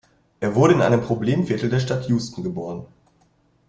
Er wurde in einem Problemviertel der Stadt Houston geboren.